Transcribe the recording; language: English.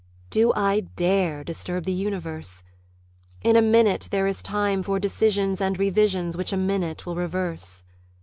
Do I dare Disturb the universe? In a minute there is time For decisions and revisions which a minute will reverse.